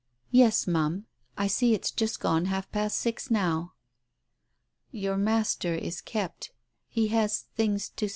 "Yes, Ma'am, I see it's just gone half past six now." "Your master is kept. ... He has things to see to. ..."